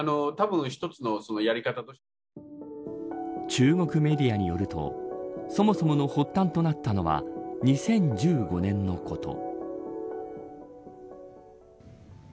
中国メディアによるとそもそもの発端となったのは２０１５年のこと。